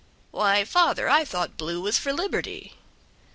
"Why, father, I thought blue was for Liberty."